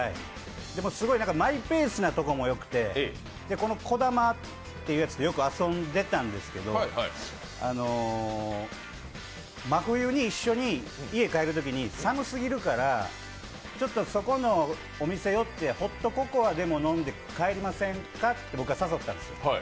マイペースなところもよくて児玉っていうやつとよく遊んでたんですけど真冬に一緒に家、帰るときに寒すぎるから、ちょっとそこのお店寄って、ホットココアでも飲んで帰りませんかって僕が誘ったんですよ。